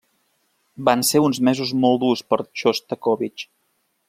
Van ser uns mesos molt durs per a Xostakóvitx.